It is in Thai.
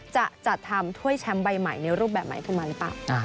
จะจัดทำถ้วยแชมป์ใบใหม่ในรูปแบบใหม่ขึ้นมาหรือเปล่า